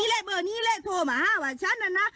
และเบอร์นี้แหละโทรมาหาว่าฉันน่ะนะ